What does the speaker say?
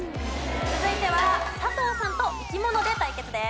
続いては佐藤さんと生き物で対決です。